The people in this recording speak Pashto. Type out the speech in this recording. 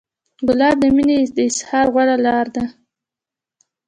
ګلاب د مینې د اظهار غوره لاره ده.